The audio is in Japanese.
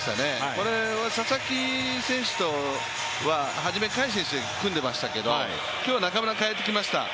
これは佐々木選手とは初め、甲斐選手が組んでいましたけど、今日は中村にかえてきました。